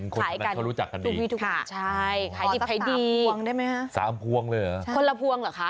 คนที่นั้นเขารู้จักกันดีค่ะขอสัก๓พวงได้ไหมฮะคนละพวงเหรอคะ